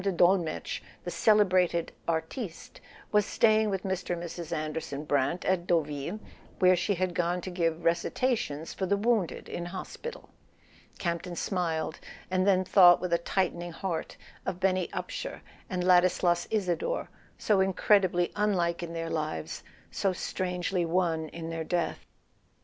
de Dolmetsch, "the celebrated artiste ," was staying with Mr. and Mrs. Anderson Brant at Deauville, where she had gone to give recitations for the wounded in hospital. Campton smiled, and then thought with a tightening heart of Benny Upsher and Ladislas Isador, so incredibly unlike in their lives, so strangely one in their death.